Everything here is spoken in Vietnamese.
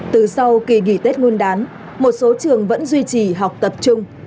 từ sau kỳ nghỉ tết nguyên đán một số trường vẫn duy trì học tập trung